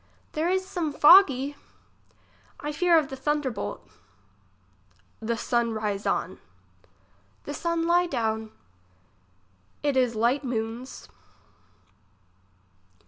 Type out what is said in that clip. There is some foggy, I fear of the thunderbolt. The sun rise on. The sun lie down. It is light moon's.